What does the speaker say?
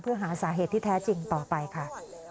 เพื่อหาสาเหตุที่แท้จริงต่อไปค่ะ